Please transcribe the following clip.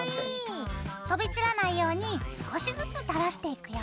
飛び散らないように少しずつ垂らしていくよ。